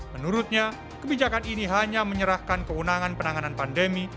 menurutnya kebijakan ini hanya menyerahkan kewenangan penanganan pandemi